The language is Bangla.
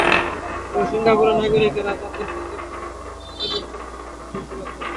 তবে সিঙ্গাপুরের নাগরিকেরা তাঁদের দেশের শিক্ষাব্যবস্থার মানের ব্যাপারে অনেক বেশি ইতিবাচক।